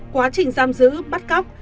quá trình giam giữ bắt cóc